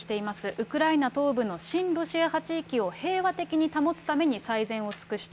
ウクライナ東部の親ロシア派地域を平和的に保つために最善を尽くした。